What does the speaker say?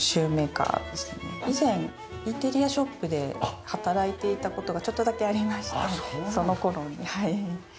以前インテリアショップで働いていた事がちょっとだけありましてその頃にはい。